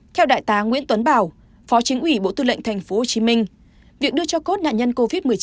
theo đại tá nguyễn tuấn bảo phó chính ủy bộ tư lệnh tp hcm việc đưa cho cốt nạn nhân covid một mươi chín